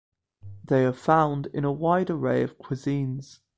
They are found in a wide array of cuisines.